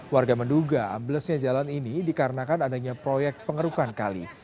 warga menduga amblesnya jalan ini dikarenakan adanya proyek pengerukan kali